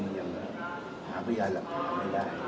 มีอะไรมีอะไรด้วยครับถ้าต้องต้องการ